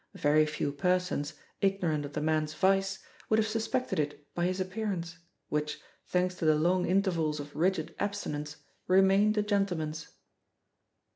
Very few persons, ignorant of the man's vice, would have suspected it by his appearance, which, thanks to the long intervals of rigid abstinence, remained a gentleman's.